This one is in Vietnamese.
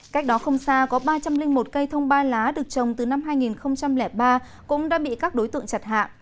cách đó không xa có ba trăm linh một cây thông ba lá được trồng từ năm hai nghìn ba cũng đã bị các đối tượng chặt hạ